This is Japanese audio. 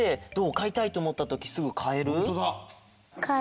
かいたいっておもったときすぐかえる？